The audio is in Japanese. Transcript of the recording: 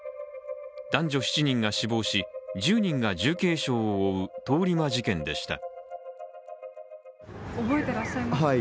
男女７人が死亡し、１０人が重軽傷を負う通り魔事件でした。